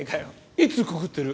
いつコクってる？